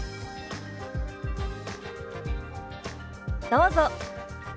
どうぞ。